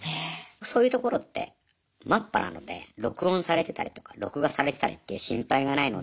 そういうところってマッパなので録音されてたりとか録画されてたりっていう心配がないので。